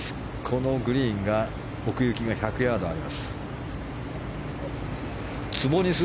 このグリーンは奥行きが１００ヤードあります。